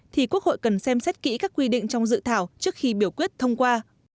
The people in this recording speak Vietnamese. thì quốc hội cần xem xét kỹ các quy định trong dự thảo trước khi biểu quyết thông qua